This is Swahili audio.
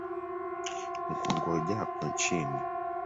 Nikungojapo chini,